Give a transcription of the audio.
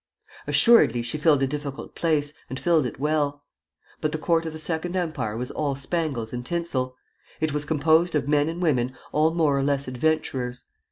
Assuredly she filled a difficult place, and filled it well; but the court of the Second Empire was all spangles and tinsel. It was composed of men and women all more or less adventurers.